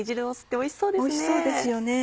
おいしそうですよね。